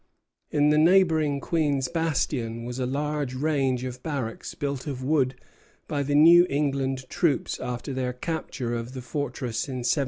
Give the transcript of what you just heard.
In the neighboring Queen's Bastion was a large range of barracks built of wood by the New England troops after their capture of the fortress in 1745.